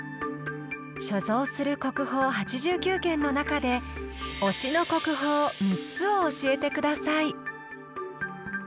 「所蔵する国宝８９件の中で“推しの国宝”３つをおしえてください」。